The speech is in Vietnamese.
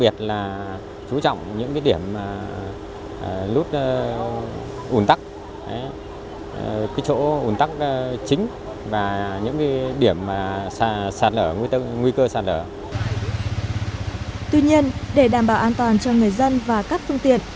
tuy nhiên để đảm bảo an toàn cho người dân và các phương tiện